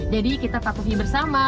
jadi kita takutnya bersama